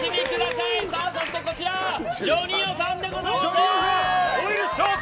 そしてジョニ男さんでございます。